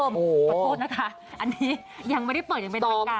ขอโทษนะคะอันนี้ยังไม่ได้เปิดอย่างเป็นทางการ